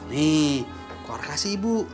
nih kohar kasih ibu